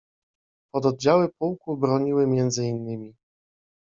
Pododdziały pułku broniły między innymi